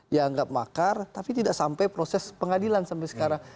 dianggap makar tapi tidak sampai proses pengadilan sampai sekarang